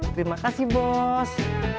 terima kasih bos